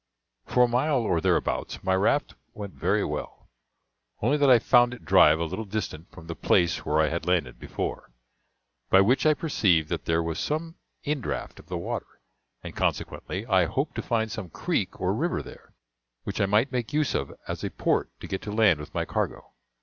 For a mile or thereabouts my raft went very well, only that I found it drive a little distant from the place where I had landed before; by which I perceived that there was some indraft of the water, and consequently I hoped to find some creek or river there, which I might make use of as a port to get to land with my cargo.